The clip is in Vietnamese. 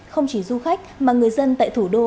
không chỉ du khách mà người dân tại thủ đô